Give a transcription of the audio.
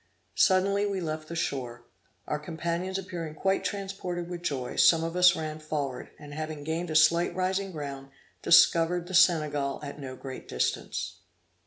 Suddenly we left the shore. Our companions appearing quite transported with joy, some of us ran forward, and having gained a slight rising ground, discovered the Senegal at no great distance.